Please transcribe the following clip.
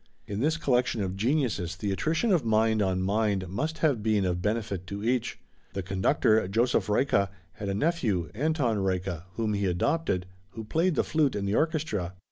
In this collection of geniuses the attrition of mind on mind must have been of benefit to each. The conductor, Joseph Reicha, had a nephew, Anton Reicha, whom he adopted, who played the flute in the orchestra.